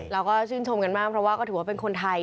เราก็ชื่นชมกันมากเพราะว่าก็ถือว่าเป็นคนไทย